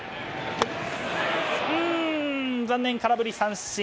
残念、空振り三振。